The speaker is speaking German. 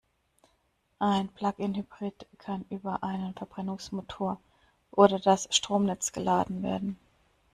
Ein Plug-in-Hybrid kann über einen Verbrennungsmotor oder das Stromnetz geladen werden.